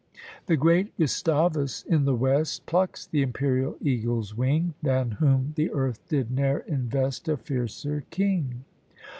The great Gustavus in the west Plucks the imperial eagle's wing, Than whom the earth did ne'er invest A fiercer king.